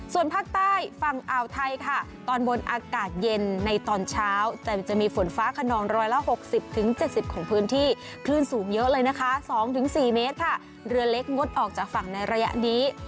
ส่วนภาคใต้ฝั่งอ่าวไทยค่ะตอนบนอากาศเย็นในตอนเช้าแต่จะมีฝนฟ้าขนองร้อยละ๖๐๗๐ของพื้นที่คลื่นสูงเยอะเลยนะคะ๒๔เมตรค่ะเรือเล็กงดออกจากฝั่งในระยะนี้